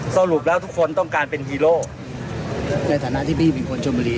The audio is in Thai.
สรุปแล้วทุกคนต้องการเป็นฮีโร่ในฐานะที่พี่เป็นคนชนบุรี